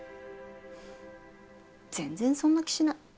全然そんな気しない。